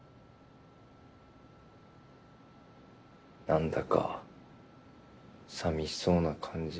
なんだか寂しそうな感じ。